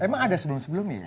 emang ada sebelum sebelumnya